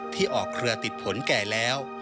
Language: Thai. ที่ออกเครือติดผลแก่แล้ว